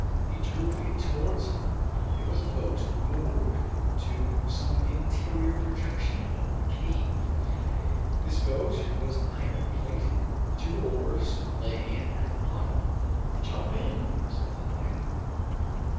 He drew it towards him. It was a boat, moored to some interior projection of the cave. This boat was iron plated. Two oars lay at the bottom. "Jump in!" said Harding.